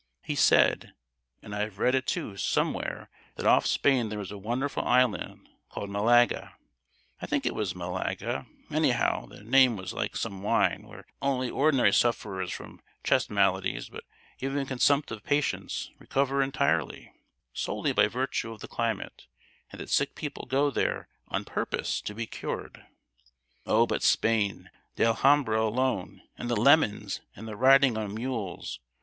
He said—and I have read it too, somewhere, that off Spain there is a wonderful island, called Malaga—I think it was Malaga; anyhow, the name was like some wine, where, not only ordinary sufferers from chest maladies, but even consumptive patients, recover entirely, solely by virtue of the climate, and that sick people go there on purpose to be cured. "Oh, but Spain—the Alhambra alone—and the lemons, and the riding on mules.